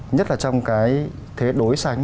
nhất là trong cái thế đối sánh